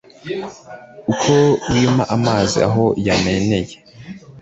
uko wima amazi aho yamenera